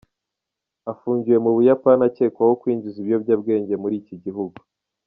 Afungiwe mu Buyapani akekwaho kwinjiza ibiyobyabwenge muri iki gihugu.